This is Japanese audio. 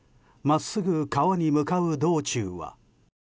真っすぐ川に向かう道中は。